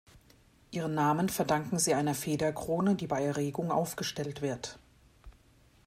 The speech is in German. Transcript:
Ihren Namen verdanken sie einer Federkrone, die bei Erregung aufgestellt wird.